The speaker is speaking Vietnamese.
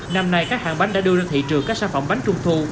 năm nay các hàng bánh đã đưa ra thị trường các sản phẩm bánh trung thu